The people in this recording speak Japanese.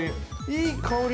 ◆いい香り。